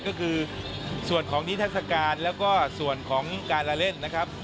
ก็คือส่วนของนิทัศกาลแล้วก็ส่วนของการละเล่นนะครับ